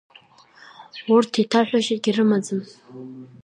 Урҭ еиҭаҳәашьагьы рымаӡам…